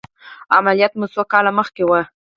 عملیات مو څو کاله مخکې و؟